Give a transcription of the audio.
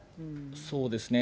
そうですね。